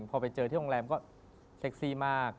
พอไปเจอที่โรงแรมก็เซ็กซี่มาก